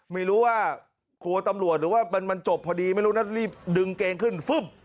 ไม่รู้ว่ากลัวตำรวจหรือว่ามันจบพอดีไม่รู้นะรีบดึงเกงขึ้นฟึ้ม